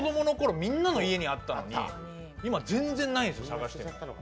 みんなの家にあったのに今、全然ないんですよ、探しても。